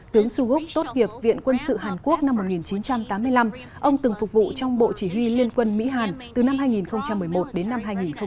tướng suhuk tốt nghiệp viện quân sự hàn quốc năm một nghìn chín trăm tám mươi năm ông từng phục vụ trong bộ chỉ huy liên quân mỹ hàn từ năm hai nghìn một mươi một đến năm hai nghìn một mươi